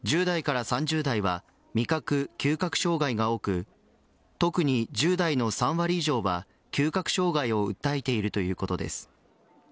１０代から３０代は味覚・嗅覚障害が多く特に１０代の３割以上は嗅覚障害を訴えているということです。